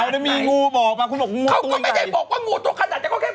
ดูจะไปนู้นี่